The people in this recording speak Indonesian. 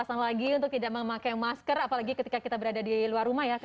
terima kasih sudah datang lagi untuk tidak memakai masker apalagi ketika kita berada di luar rumah ya